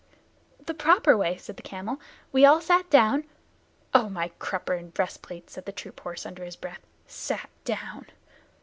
"The proper way," said the camel. "We all sat down " "Oh, my crupper and breastplate!" said the troop horse under his breath. "Sat down!"